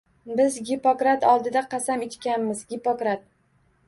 Biz Gippokrat oldida qasam ichganmiz. Gippokrat!